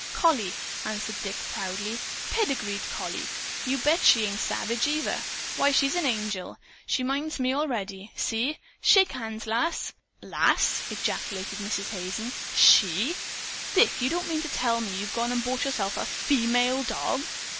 "Collie," answered Dick proudly. "Pedigreed collie! You bet she isn't savage, either. Why, she's an angel. She minds me already. See shake hands, Lass!" "Lass!" ejaculated Mrs. Hazen. "'SHE!' Dick, you don't mean to tell me you've gone and bought yourself a a FEMALE dog?"